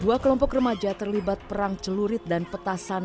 dua kelompok remaja terlibat perang celurit dan petasan